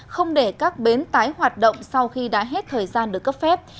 không để các bến tái hoạt động sau khi đã hết thời gian được cấp phép